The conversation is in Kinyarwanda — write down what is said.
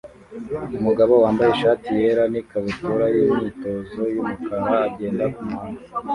Umugabo wambaye ishati yera n ikabutura yimyitozo yumukara agenda kumuhanda